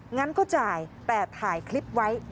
งั้นก็จ่ายแต่ถ่ายคลิปไว้